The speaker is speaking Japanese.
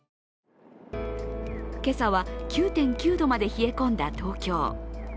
今朝は９．９度まで冷え込んだ東京。